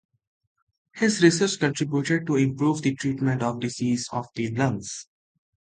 His research contributed to improving the treatment of diseases of the lungs.